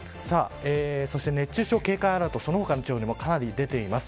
そして、熱中症警戒アラートその他の地方にもかなり出ています。